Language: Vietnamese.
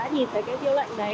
nhìn thấy cái tiêu lệnh đấy